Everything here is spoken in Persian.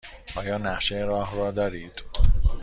آیا نقشه راه دارید؟